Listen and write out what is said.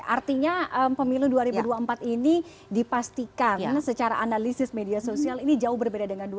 artinya pemilu dua ribu dua puluh empat ini dipastikan secara analisis media sosial ini jauh berbeda dengan dua ribu sembilan belas